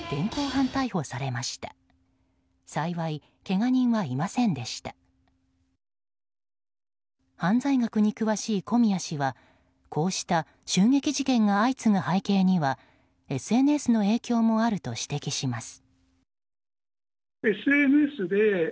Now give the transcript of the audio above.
犯罪学に詳しい小宮氏はこうした襲撃事件が相次ぐ背景にはＳＮＳの影響もあると指摘します。